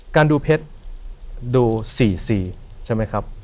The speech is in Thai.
การดูเพชรดู๔๔ใช่ไหมครับ